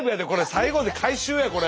最後で回収やこれ。